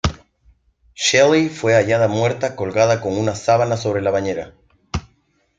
Shelly fue hallada muerta colgada con una sábana sobre la bañera.